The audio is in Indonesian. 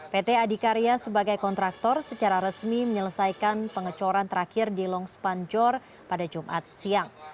pt adhikarya sebagai kontraktor secara resmi menyelesaikan pengecoran terakhir di long spanjor pada jumat siang